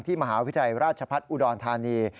มหาวิทยาลัยราชพัฒน์อุดรธานี